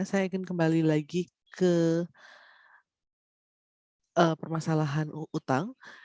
saya ingin kembali lagi ke permasalahan utang